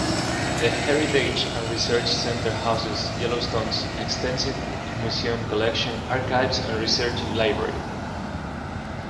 The Heritage and Research Center houses Yellowstone's extensive museum collection, archives, and research library.